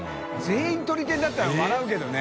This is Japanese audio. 全員とり天だったら笑うけどね。